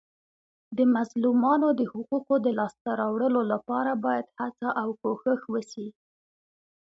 د مظلومانو د حقوقو د لاسته راوړلو لپاره باید هڅه او کوښښ وسي.